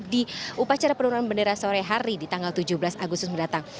di upacara penurunan bendera sore hari di tanggal tujuh belas agustus mendatang